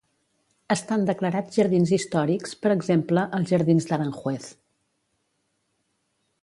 Estan declarats jardins històrics, per exemple, els Jardins d'Aranjuez.